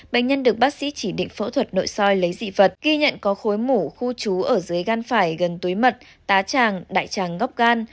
bệnh nhân được bác sĩ chỉ định phẫu thuật nội soi lấy dị vật ghi nhận có khối mổ khu trú ở dưới gan phải gần túi mật tá tràng đại tràng ngóc gan